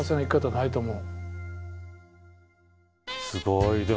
すごい。